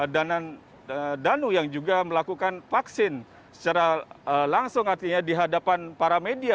dan danu yang juga melakukan vaksin secara langsung artinya dihadapan para media